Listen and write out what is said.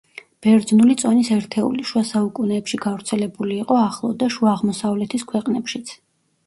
ბერძნული წონის ერთეული; შუა საუკუნეებში გავრცელებული იყო ახლო და შუა აღმოსავლეთის ქვეყნებშიც.